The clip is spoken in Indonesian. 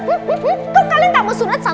kalian kok gak mau sunat